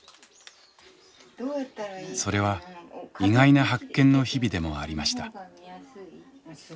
それは意外な発見の日々でもありました。